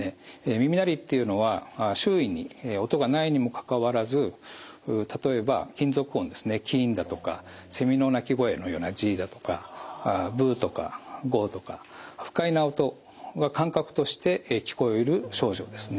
耳鳴りっていうのは周囲に音がないにもかかわらず例えば金属音ですねキンだとかセミの鳴き声のようなジだとかブとかゴとか不快な音が感覚として聞こえる症状ですね。